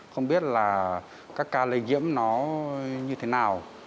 không biết là các ca lây nhiễm nó như thế nào